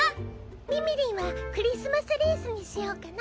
みみりんはクリスマスリースにしようかな。